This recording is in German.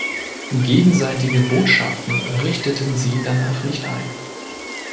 Gegenseitige Botschaften richteten sie danach nicht ein.